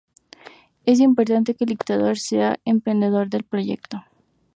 Es importante que el dictador sea el emprendedor del proyecto.